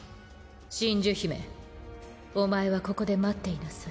真珠姫お前はここで待っていなさい。